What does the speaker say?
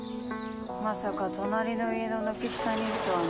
まさか隣の家の軒下にいるとはね。